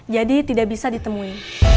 jadi tidak bisa ditemui